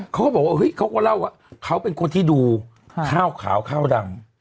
เขาก็บอกว่าเฮ้ยเขาก็เล่าว่าเขาเป็นคนที่ดูข้าวขาวข้าวดำ